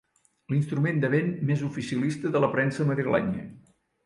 L'instrument de vent més oficialista de la premsa madrilenya.